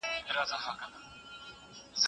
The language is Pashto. څېړونکی باید خپلي څېړنې ته لاري ولټوي.